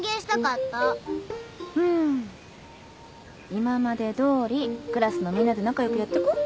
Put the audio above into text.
今までどおりクラスのみんなで仲良くやってこう。